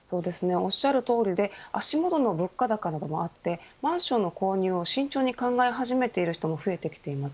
おっしゃる通りで足元の物価高などもあってマンションの購入を慎重に考え始めている人も増えてきています。